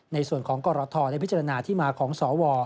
ในส่วนของกรทได้พิจารณาที่มาของสว